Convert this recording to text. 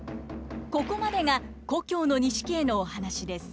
ここまでが「旧錦絵」のお話です。